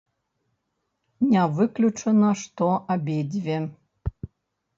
Не выключана, што абедзве.